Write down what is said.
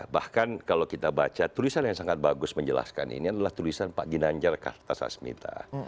bahkan kalau kita baca tulisan yang sangat bagus menjelaskan ini adalah tulisan pak ginanjar kartasasmita